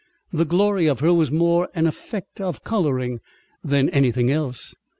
The glory of her was more an effect of colouring than anything else.